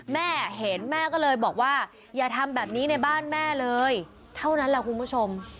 แม่เห็นแม่ก็เลยบอกว่าอย่าทำแบบนี้ในบ้านแม่เลยเท่านั้นแหละคุณผู้ชม